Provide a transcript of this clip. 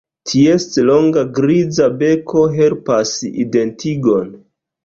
Ties longa griza beko helpas identigon.